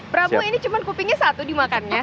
pramo ini cuma kupingnya satu dimakannya